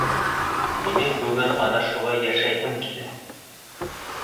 Минең бөгөн ана шулай йәшәйһем килә.